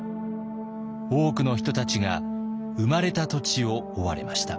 多くの人たちが生まれた土地を追われました。